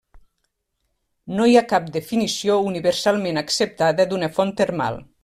No hi ha cap definició universalment acceptada d'una font termal.